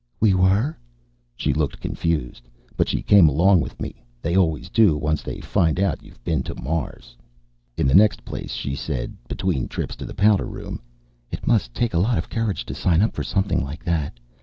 "We were?" She looked confused. But she came along with me. They always do, once they find out you've been to Mars. In the next place, she said, between trips to the powder room, "It must take a lot of courage to sign up for something like that.